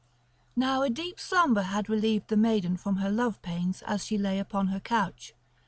Now a deep slumber had relieved the maiden from her love pains as she lay upon her couch.